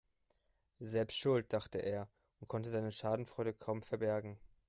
"Selbst schuld", dachte er und konnte seine Schadenfreude kaum verbergen.